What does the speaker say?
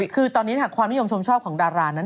คือตอนนี้ความนิยมชมชอบของดารานั้น